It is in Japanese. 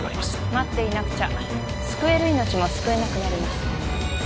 待っていなくちゃ救える命も救えなくなります